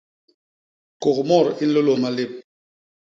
Kôkmot i nlôlôs malép.